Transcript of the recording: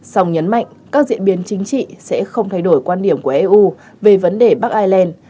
song nhấn mạnh các diễn biến chính trị sẽ không thay đổi quan điểm của eu về vấn đề bắc ireland